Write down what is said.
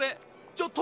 ちょっと！